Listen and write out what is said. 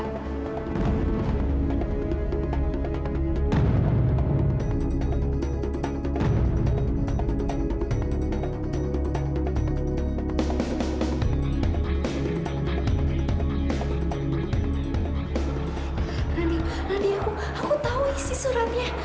tadi aku tahu isi suratnya